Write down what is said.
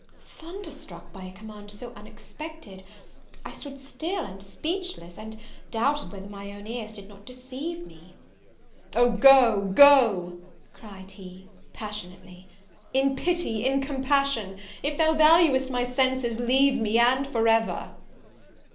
Thunderstruck by a command so unexpected, I stood still and speechless, and doubted whether my own ears did not deceive me. "Oh go, go!" cried he, passionately; "in pity in compassion, if thou valuest my senses, leave me, and for ever!"